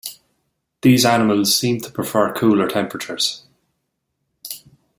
These animals seem to prefer cooler temperatures.